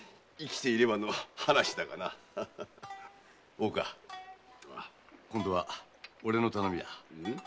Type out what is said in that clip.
大岡今度は俺の頼みだ。